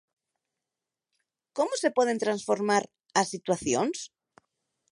¿Como se poden transformar as situacións?